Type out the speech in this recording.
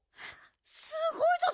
すごいぞ！